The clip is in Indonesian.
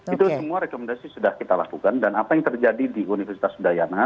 itu semua rekomendasi sudah kita lakukan dan apa yang terjadi di universitas udayana